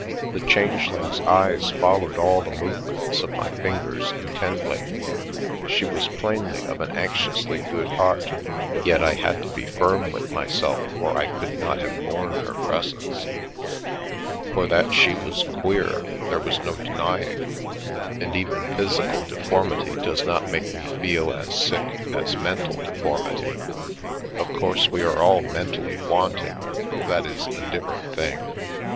The Changeling's eyes fol lowed all the movements of my fingers intently. She was plainly of an anxiously good heart, yet I had to be firm with myself or I could not have borne her presence. For that she was "queer" there was no denying, and even physical deformity does not make me feel as sick as mental deformity. Of course we are all " mentally wanting." That is a different thing.